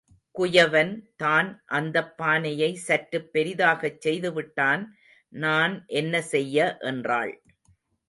குயவன் தான் அந்தப் பானையை சற்றுப் பெரிதாகச் செய்து விட்டான் நான் என்ன செய்ய என்றாள்.